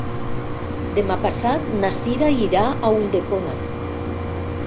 Demà passat na Cira irà a Ulldecona.